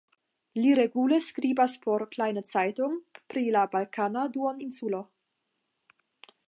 Li regule skribas por Kleine Zeitung pri la Balkana duoninsulo.